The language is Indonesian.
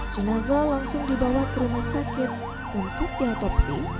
jenazah langsung dibawa ke rumah sakit untuk diotopsi